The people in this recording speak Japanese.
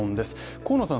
河野さん